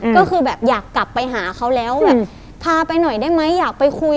ก็คือแบบอยากกลับไปหาเขาแล้วแบบพาไปหน่อยได้ไหมอยากไปคุย